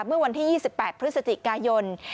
เมื่อวันที่๒๘พฤศจิกายน